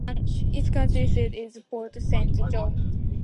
Its county seat is Port Saint Joe.